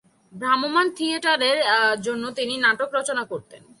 ভ্রাম্যমাণ থিয়েটারের জন্য তিনি নাটক রচনা করতেন।